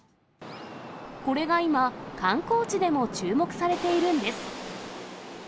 これが今、観光地でも注目されているんです。